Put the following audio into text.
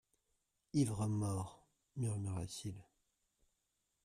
Ivre mort ! murmura-t-il.